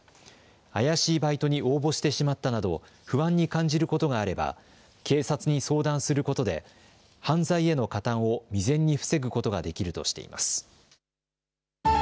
怪しいバイトに応募してしまったなど、不安に感じることがあれば、警察に相談することで、犯罪への加担を未然に防ぐことができるとしています。